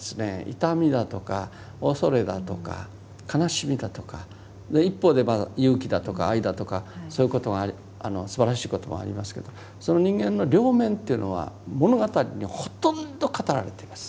痛みだとか恐れだとか悲しみだとか一方で勇気だとか愛だとかそういうことがすばらしいこともありますけどその人間の両面というのは物語にほとんど語られています。